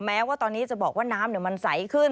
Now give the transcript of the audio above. แม้ว่าตอนนี้จะบอกว่าน้ำมันใสขึ้น